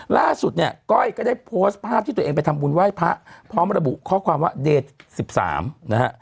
ล่าสุดเนี่ยก้อยก็ได้โพสต์ภาพที่ตัวเองไปทำบุญไหว้พระพร้อมระบุข้อความว่าเดช๑๓นะฮะ